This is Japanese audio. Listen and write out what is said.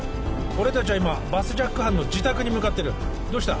俺たちは今バスジャック犯の自宅に向かってるどうした？